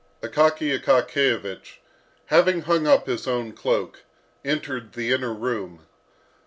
Akaky Akakiyevich, having hung up his own cloak, entered the inner room.